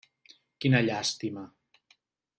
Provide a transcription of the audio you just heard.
Quina llàstima.